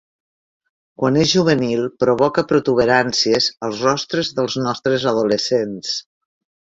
Quan és juvenil provoca protuberàncies als rostres dels nostres adolescents.